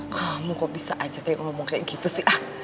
kamu kok bisa aja ngomong kayak gitu sih ah